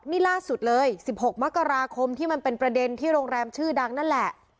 นี่ล่าสุดเลย๑๖มกราคมที่มันเป็นประเด็นที่โรงแรมชื่อดังนั่นแหละ